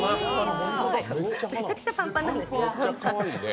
めちゃくちゃパンパンなんです。